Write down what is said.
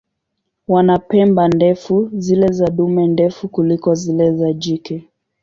Wana pamba ndefu, zile za dume ndefu kuliko zile za jike.